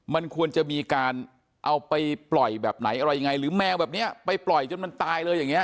มันควรจะมีการเอาไปปล่อยแบบไหนอะไรยังไงหรือแมวแบบนี้ไปปล่อยจนมันตายเลยอย่างนี้